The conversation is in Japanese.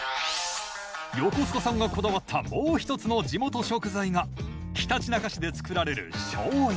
横須賀さんがこだわったもう一つの地元食材がひたちなか市で造られるしょうゆ。